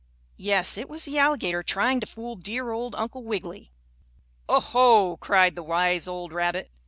Yes, it was the alligator trying to fool dear old Uncle Wiggily. "Oh, ho!" cried the wise old rabbit.